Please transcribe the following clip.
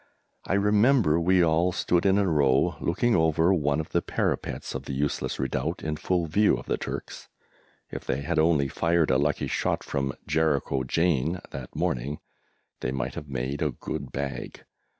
I remember we all stood in a row looking over one of the parapets of the useless redoubt in full view of the Turks; if they had only fired a lucky shot from "Jericho Jane" that morning they might have made a good bag!